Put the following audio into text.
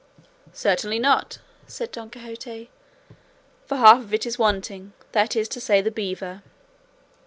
"Certainly not," said Don Quixote, "for half of it is wanting, that is to say the beaver."